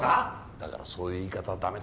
だからそういう言い方は駄目だって。